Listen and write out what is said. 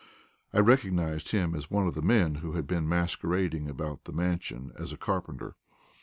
I recognized him as one of the men who had been masquerading about the Mansion as a carpenter.